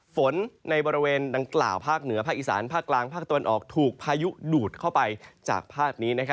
ฝนในบริเวณดังกล่าวภาคเหนือภาคอีสานภาคกลางภาคตะวันออกถูกพายุดูดเข้าไปจากภาพนี้